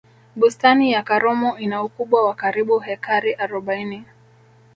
bustani ya karomo ina ukubwa wa karibu hekari arobaini